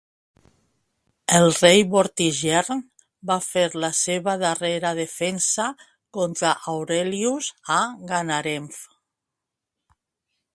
El rei Vortigern va fer la seva darrera defensa contra Aurelius a Ganarew.